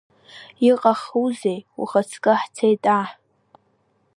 Иҟахузеи ухаҵкы ҳцеит, аҳ!